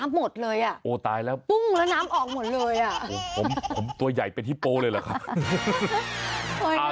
เหมือนที่โป้เลยหรอครับ